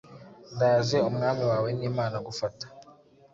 Ndaje Umwami wawe n'Imana gufata,